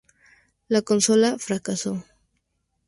La consola fracasó.